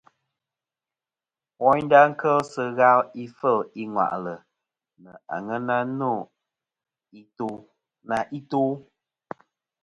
Woynda kel sɨ ghal ifel i ŋwà'lɨ nɨ aŋen na i to.